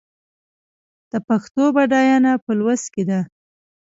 د پښتو بډاینه په لوست کې ده.